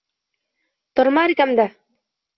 Торма эргәмдә!